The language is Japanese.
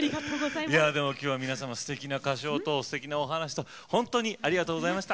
いやでも今日は皆様すてきな歌唱とすてきなお話と本当にありがとうございました。